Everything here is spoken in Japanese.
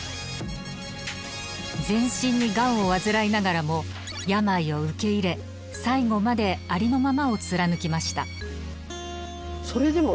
全身にがんを患いながらも病を受け入れ最後までありのままを貫きました。